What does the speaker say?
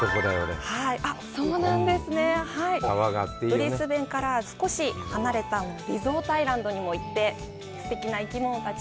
ブリスベンから少し離れたリゾートアイランドにも行って、すてきな生き物たち